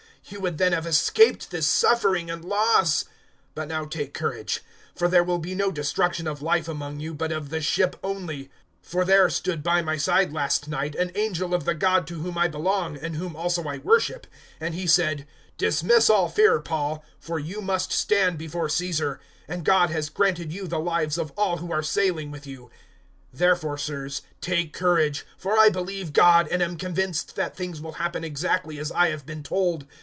You would then have escaped this suffering and loss. 027:022 But now take courage, for there will be no destruction of life among you, but of the ship only. 027:023 For there stood by my side, last night, an angel of the God to whom I belong, and whom also I worship, 027:024 and he said, "`Dismiss all fear, Paul, for you must stand before Caesar; and God has granted you the lives of all who are sailing with you.' 027:025 "Therefore, Sirs, take courage; for I believe God, and am convinced that things will happen exactly as I have been told.